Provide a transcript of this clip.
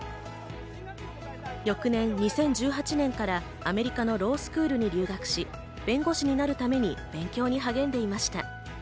翌年２０１８年からアメリカのロースクールに留学し、弁護士になるために勉強に励んでいました。